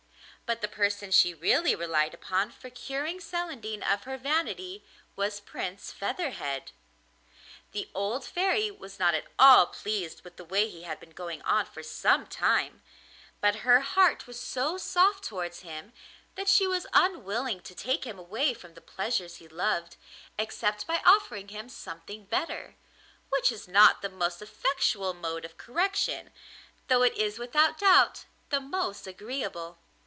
But the person she really relied upon for curing Celandine of her vanity was Prince Featherhead. The old Fairy was not at all pleased with the way he had been going on for some time, but her heart was so soft towards him that she was unwilling to take him away from the pleasures he loved, except by offering him something better, which is not the most effectual mode of correction, though it is without doubt the most agreeable.